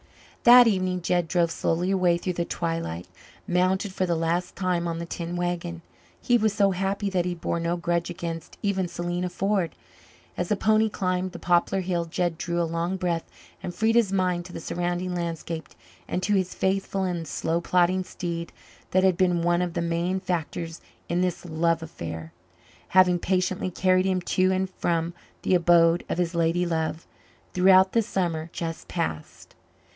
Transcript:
That evening Jed drove slowly away through the twilight, mounted for the last time on the tin wagon. He was so happy that he bore no grudge against even Selena Ford. As the pony climbed the poplar hill Jed drew a long breath and freed his mind to the surrounding landscape and to his faithful and slow plodding steed that had been one of the main factors in this love affair, having patiently carried him to and from the abode of his lady love throughout the summer just passed.